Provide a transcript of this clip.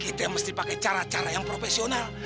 kita mesti pakai cara cara yang profesional